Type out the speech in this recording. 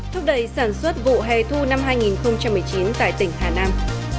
thúc đẩy sản xuất vụ hè thu năm hai nghìn một mươi chín tại tỉnh hà nam